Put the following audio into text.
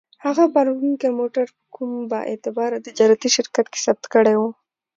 هغه باروړونکی موټر په کوم با اعتباره تجارتي شرکت کې ثبت کړی و.